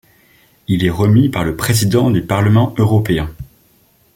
Il est remis par le président du Parlement européen.